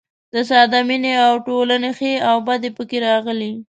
د ساده مینې او ټولنې ښې او بدې پکې راغلي.